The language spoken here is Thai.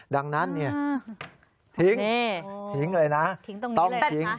ดังนั้นเนี่ยทิ้งทิ้งเลยนะต้องทิ้ง